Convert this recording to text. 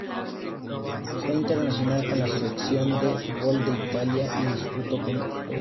Fue internacional con la selección de fútbol de Italia y disputó una Eurocopa.